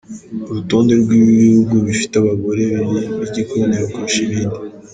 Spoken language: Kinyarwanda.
Urutonde rw’ibihugu bifite abagore b’igikundiro kurusha ibindi:.